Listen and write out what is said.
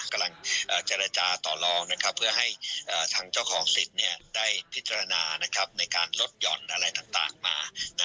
กำลังเจรจาต่อลองเพื่อให้ทางเจ้าของสิทธิ์ได้พิจารณาในการลดหย่อนอะไรต่างมา